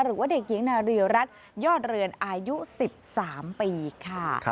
หรือว่าเด็กหญิงนารีรัฐยอดเรือนอายุ๑๓ปีค่ะ